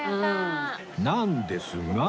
なんですが